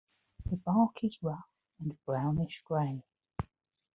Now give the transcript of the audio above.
The bark is rough and brownish-gray.